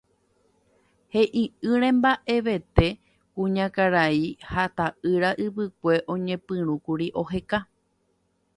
He'i'ỹre mba'evete kuñakarai ha ta'ýra ypykue oñepyrũkuri oheka.